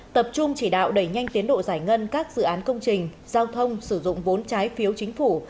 tập trung chỉ đạo đẩy nhanh tiến độ giải ngân các dự án công trình giao thông sử dụng vốn trái phiếu chính phủ